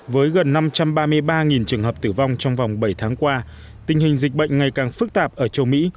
với gần năm trăm ba mươi ba trường hợp tử vong trong vòng bảy tháng qua tình hình dịch bệnh ngày càng phức tạp ở châu mỹ